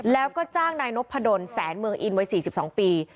แล้วก็จ้างนายนพดลแสนเมืองอินวัย๔๒ปี